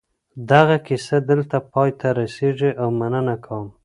دغه کیسه دلته پای ته رسېږي او مننه کوم.